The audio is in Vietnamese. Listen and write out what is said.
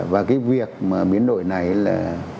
và cái việc mà biến đội này là